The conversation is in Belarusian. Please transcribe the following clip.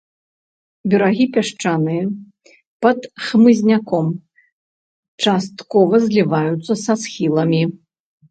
Берагі пясчаныя, пад хмызняком, часткова зліваюцца са схіламі.